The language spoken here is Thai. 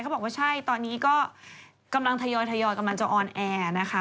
บอกว่าใช่ตอนนี้ก็กำลังทยอยกำลังจะออนแอร์นะคะ